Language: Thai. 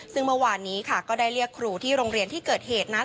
ซึ่งเมื่อวานนี้ค่ะก็ได้เรียกครูที่โรงเรียนที่เกิดเหตุนั้น